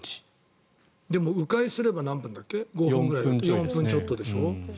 でも迂回すれば何分だっけ４分ちょっとでしょ。